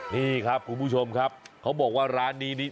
นี่ครับคุณผู้ชมครับเค้าบอกว่านี้